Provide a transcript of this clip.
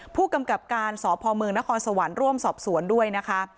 ผู้กำกับการสพเมืองนครสวรรค์ร่วมสอบสวนด้วยนะคะ